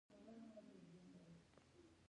د شلګر د نوم په اړه د عوامو لومړی نظر یوه توجیه لري